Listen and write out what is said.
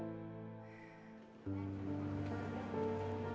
kau itu yang menjaga rumi